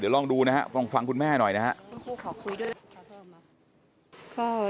เดี๋ยวลองดูนะครับลองฟังคุณแม่หน่อยนะครับ